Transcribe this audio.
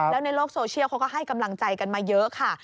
แล้วในโลกโซเชียลเขาก็ให้กำลังใจกันมาเยอะค่ะ